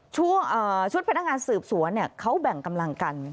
ชุดพนักงานสืบสวนเขาแบ่งกำลังกัน